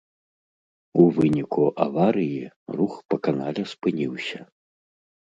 У выніку аварыі рух па канале спыніўся.